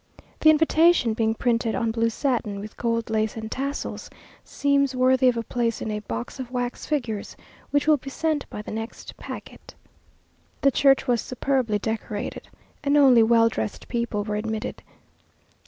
The invitation being printed on blue satin, with gold lace and tassels, seems worthy of a place in a box of wax figures, which will be sent by the next packet. The church was superbly decorated, and only well dressed people were admitted.